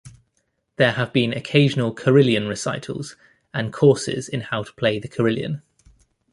There have been occasional carillon recitals and courses in how to play the carillon.